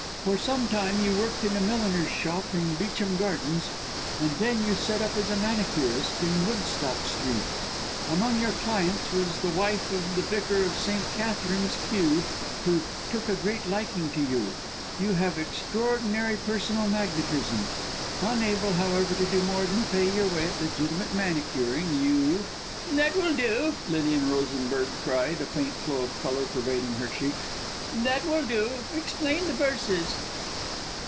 For some time you worked in a milliner's shop in Beauchamp Gardens, and then you set up as a manicurist in Woodstock Street. Among your clients was the wife of the Vicar of St. Katherine's, Kew, who took a great liking to you you have extraordinary personal magnetism. Unable, however, to do more than pay your way at legitimate manicuring you " "That will do," Lilian Rosenberg cried, a faint flow of colour pervading her cheeks. "That will do! Explain the verses."